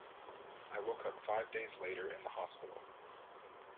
I woke up five days later in the hospital.